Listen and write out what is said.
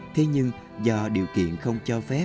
thế nhưng do điều kiện không cho phép